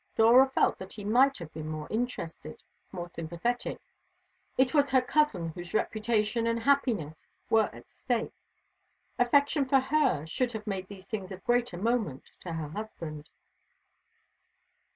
Dora felt that he might have been more interested more sympathetic. It was her cousin whose reputation and happiness were at stake. Affection for her should have made these things of greater moment to her husband.